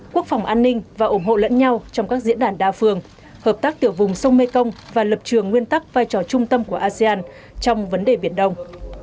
quốc phòng an ninh và ủng hộ lẫn nhau trong các diễn đàn đa phương hợp tác tiểu vùng sông mekong và lập trường nguyên tắc vai trò trung tâm của asean trong vấn đề biển đông